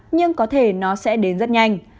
nhưng có thể nó sẽ đến rất nhanh